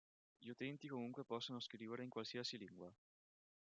Gli utenti comunque possono scrivere in qualsiasi lingua.